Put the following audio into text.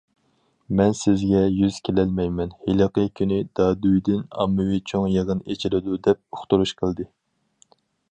مەن سىزگە يۈز كېلەلمەيمەن، ھېلىقى كۈنى دادۈيدىن ئاممىۋى چوڭ يىغىن ئېچىلىدۇ دەپ ئۇقتۇرۇش قىلدى.